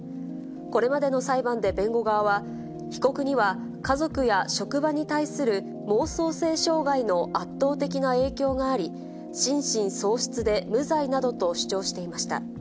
これまでの裁判で弁護側は、被告には家族や職場に対する妄想性障がいの圧倒的な影響があり、心神喪失で無罪などと主張していました。